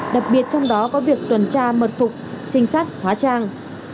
đặc biệt trong đó có việc tuần tra mật phục trinh sát hóa trang